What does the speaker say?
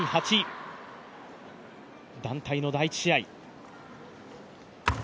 団体の第１試合。